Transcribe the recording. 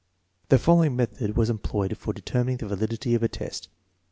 The following method was employed for deter mining the validity of a test.